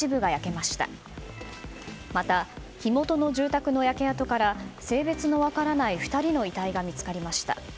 また、火元の住宅の焼け跡から性別の分からない２人の遺体が見つかりました。